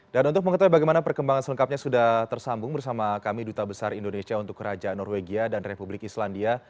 dan untuk mengetahui bagaimana perkembangan selengkapnya sudah tersambung bersama kami duta besar indonesia untuk kerajaan norwegia dan republik islandia